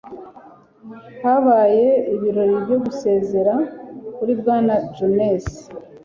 Habaye ibirori byo gusezera kuri Bwana Jones.